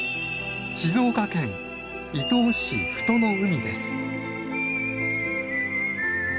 静岡県伊東市富戸の海です。